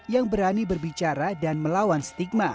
yang berani berbicara dan melawan stigma